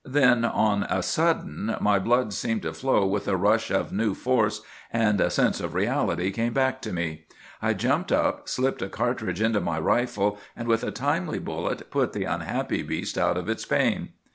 Then on a sudden my blood seemed to flow with a rush of new force, and a sense of reality came back to me. I jumped up, slipped a cartridge into my rifle, and with a timely bullet put the unhappy beast out of its pain.